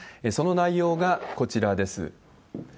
その内容がこちらです。